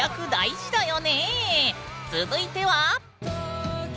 続いては？